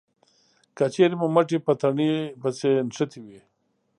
که چېرې مو مټې په تنې پسې نښتې وي